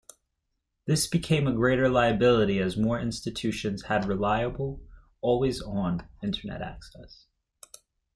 This became a greater liability as more institutions had reliable, "always-on" Internet access.